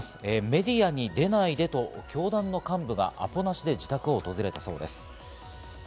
メディアに出ないでと教団の幹部がアポなしで自宅に訪れたそうです。